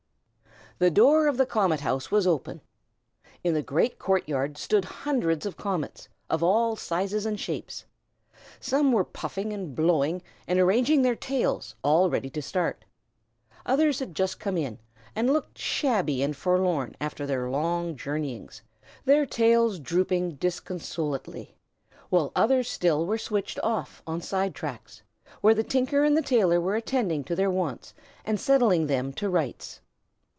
The door of the Comet House was open. In the great court yard stood hundreds of comets, of all sizes and shapes. Some were puffing and blowing, and arranging their tails, all ready to start; others had just come in, and looked shabby and forlorn after their long journeyings, their tails drooping disconsolately; while others still were switched off on side tracks, where the tinker and the tailor were attending to their wants, and setting them to rights.